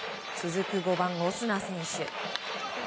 続く５番、オスナ選手。